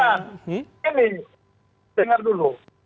bukan ini dengar dulu